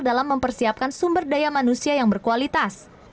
dalam mempersiapkan sumber daya manusia yang berkualitas